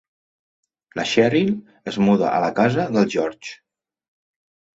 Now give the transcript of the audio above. La Cheryl es muda a la casa del George.